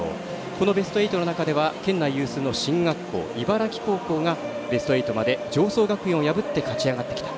このベスト８の中では県内有数の進学校、茨城高校がベスト８まで常総学院を破って勝ち上がってきた。